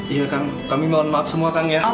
iya kang kami mohon maaf semua kang ya